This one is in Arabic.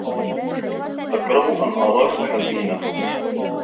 أكره أن أراكِ حزينة.